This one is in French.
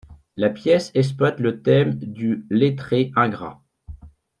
La pièce exploite le thème du lettré ingrat.